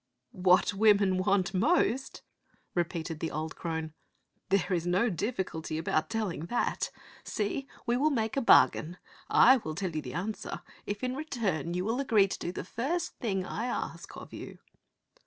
" What women want most ?" repeated the old crone. "There is no difficulty about telling that. See, we will make a bargain. I will tell you the answer if in return you will agree to do the first thing I ask of you."